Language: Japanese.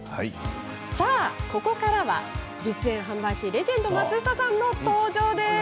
さあ、ここからは実演販売士レジェンド松下さんのコーナーです。